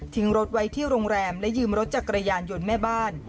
รถไว้ที่โรงแรมและยืมรถจักรยานยนต์แม่บ้าน